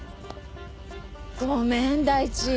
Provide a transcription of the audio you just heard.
ごめん大地。